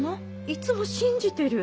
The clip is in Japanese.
いつも信じてる。